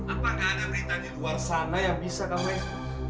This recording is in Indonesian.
apakah ada berita di luar sana yang bisa kami